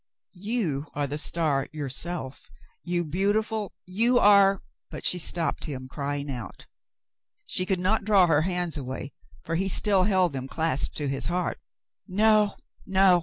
"You are the star yourself, you beautiful — you are —" But she stopped him, crying out. She could not draw her hands away, for he still held them clasped to his heart. "No, no